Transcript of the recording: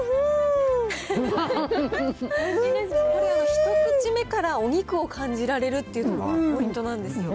一口目からお肉を感じられるっていうのがポイントなんですよ。